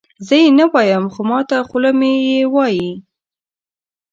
زه یې نه وایم خو ماته خوله مې یې وایي.